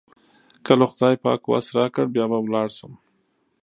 کله خدای پاک وس راکړ بیا به لاړ شم.